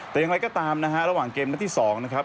แต่อย่างไรก็ตามนะฮะระหว่างเกมนัดที่๒นะครับ